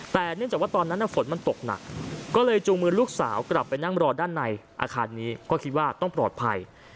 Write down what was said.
แต่เนื่องจากว่าตอนนั้นฝนมันตกหนักก็เลยจูงมือลูกสาวกลับไปนั่งรอด้านในอาคารนี้ก็คิดว่าต้องปลอดภัย